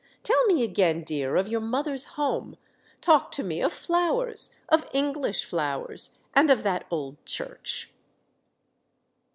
Tell me again, dear, of your mother's home ; talk to me of flowers — of English flowers — and of that old church."